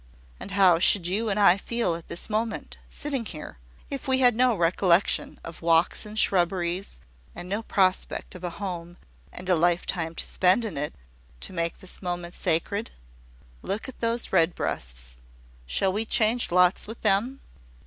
And how should you and I feel at this moment, sitting here, if we had no recollection of walks in shrubberies, and no prospect of a home, and a lifetime to spend in it, to make this moment sacred? Look at those red breasts: shall we change lots with them?"